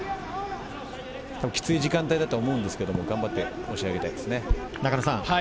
キツイ時間帯だと思うんですけれど頑張って押し上げたいですね。